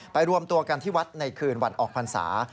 รวมตัวกันที่วัดในคืนวันออกพรรษา